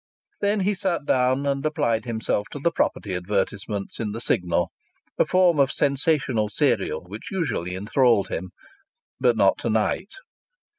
Then he sat down and applied himself to the property advertisements in the Signal, a form of sensational serial which usually enthralled him but not to night.